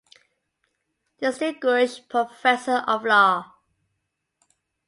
Distinguished Professor of Law.